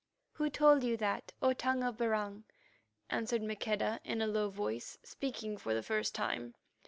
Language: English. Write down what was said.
"Who told you that, O Tongue of Barung?" asked Maqueda in a low voice, speaking for the first time.